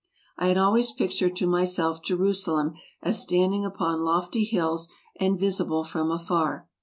I had always pictured to myself Jerusalem as standing upon lofty hills and visible from afar.